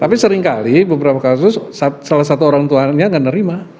tapi sering kali beberapa kasus salah satu orang tuanya gak nerima